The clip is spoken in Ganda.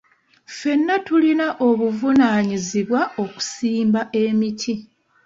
Ffenna tulina obuvunaanyizibwa okusimba emiti.